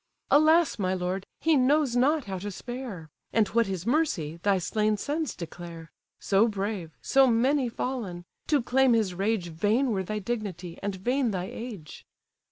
Alas! my lord! he knows not how to spare, And what his mercy, thy slain sons declare; So brave! so many fallen! To claim his rage Vain were thy dignity, and vain thy age.